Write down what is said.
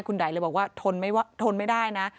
คุณไดเลยบอกว่าทนไม่ได้นะ